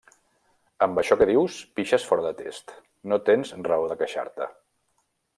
Amb això que dius pixes fora de test. No tens raó de queixar-te.